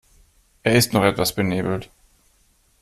Er ist noch etwas benebelt.